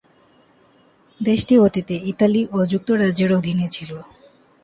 দেশটি অতীতে ইতালি ও যুক্তরাজ্যের অধীনে ছিল।